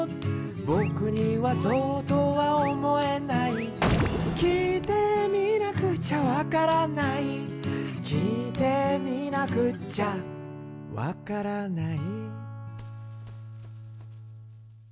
「ぼくにはそうとは思えない」「聞いてみなくちゃわからない」「聞いてみなくっちゃわからない」